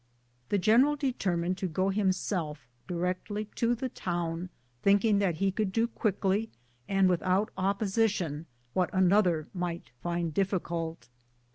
143 The general determined to go himself directly to tlie town, thinking that he could do quickly and without opposition wlmt another might find difficult.